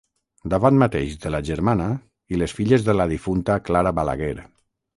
Davant mateix de la germana i les filles de la difunta Clara Balaguer.